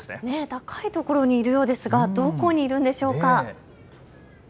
高い所にいるようですがどこにいるんでしょうか。